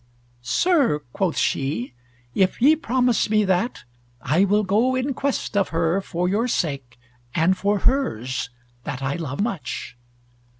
"Sir," quoth she, "if ye promise me that, I will go in quest of her for your sake, and for hers, that I love much."